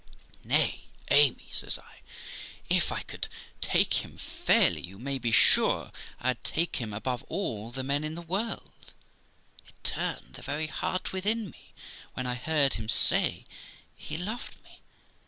'Nay, Amy', says I, 'if I could take him fairly, you may be sure I'd take him above all the men in the world; it turned the very heart within me when I heard him say he loved me.